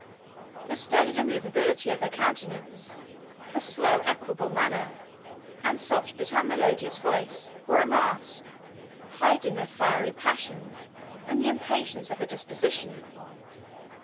The studied immovability of her countenance; her slow, equable manner, and soft but unmelodious voice, were a mask, hiding her fiery passions, and the impatience of her disposition.